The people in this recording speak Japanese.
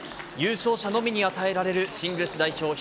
優勝者のみに与えられるシングルス代表